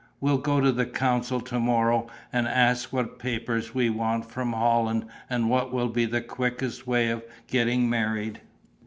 We'll go to the consul to morrow and ask what papers we want from Holland and what will be the quickest way of getting married.